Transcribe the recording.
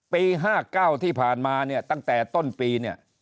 ปี๕๙ที่ผ่านมาตั้งแต่ต้นปี